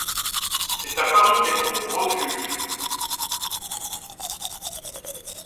C’est à Paris qu’elle trouve refuge.